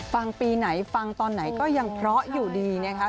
ปีไหนฟังตอนไหนก็ยังเพราะอยู่ดีนะคะ